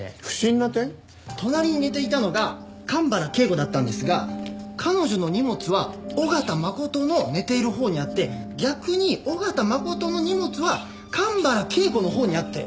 隣に寝ていたのが神原恵子だったんですが彼女の荷物は緒方真琴の寝ているほうにあって逆に緒方真琴の荷物は神原恵子のほうにあって。